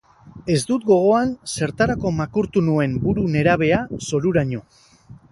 Ez dut gogoan zertarako makurtu nuen buru nerabea zoruraino.